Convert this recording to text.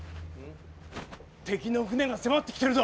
敵の船が迫ってきてるぞ！